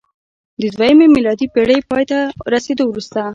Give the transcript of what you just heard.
د دویمې میلادي پېړۍ پای ته رسېدو وروسته